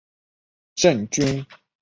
郑君炽生于香港。